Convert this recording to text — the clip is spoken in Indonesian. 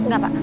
gak pak gak